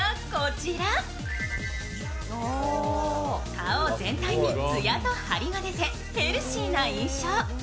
顔全体に艶とハリが出て、ヘルシーな印象。